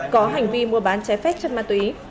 có hành vi mua bán trái phép chất ma túy